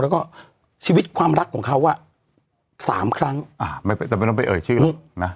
แล้วก็ชีวิตความรักของเขาอ่ะสามครั้งแต่ไม่ต้องไปเอ่ยชื่อหรอกนะ